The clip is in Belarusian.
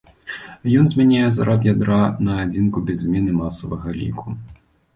Ён змяняе зарад ядра на адзінку без змены масавага ліку.